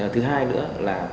thứ hai nữa là